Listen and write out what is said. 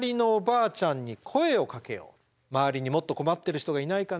そして周りにもっと困ってる人がいないかな？